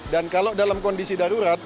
dan kalau dalam kondisi darurat